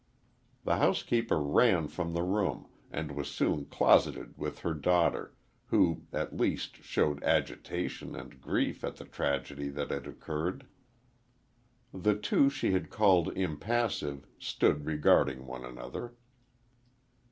The housekeeper ran from the room, and was soon closeted with her daughter, who, at least showed agitation and grief at the tragedy that had occurred. The two she had called impassive, stood regarding one another.